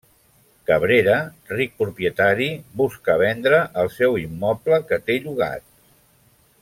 Cabrera, ric propietari, busca vendre el seu immoble que té llogat.